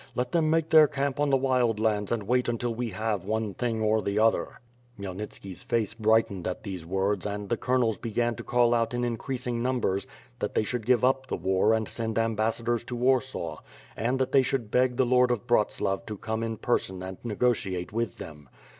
Let them make their camp on the Wild Lands and wait until we have one thing or the other." Khmyelnitski's face brightened at these words and the colonels began to call out in increasing numbers that they WITH FIRE AND SWORD, 329 should give up. the war and send ambassadors to Warsaw; and that they should beg the Lord of Bratslav to come in person and negotiate with them.